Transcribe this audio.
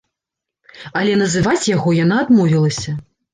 Але называць яго яна адмовілася.